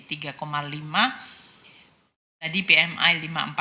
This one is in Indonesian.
tadi pmi lima puluh empat